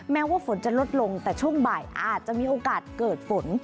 แม้ว่าฝนจะลดลงแต่ช่วงบ่ายอาจจะมีโอกาสเกิดฝน